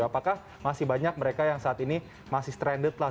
apakah masih banyak mereka yang saat ini masih stranded lah